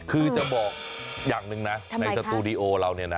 คือจะบอกอย่างหนึ่งนะในสตูดิโอเราเนี่ยนะ